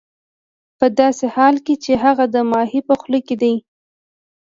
ه داسې حال کې چې هغه د ماهي په خوله کې دی